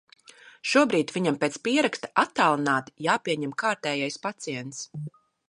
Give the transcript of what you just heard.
Šobrīd viņam pēc pieraksta attālināti jāpieņem kārtējais pacients...